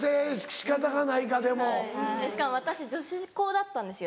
しかも私女子高だったんですよ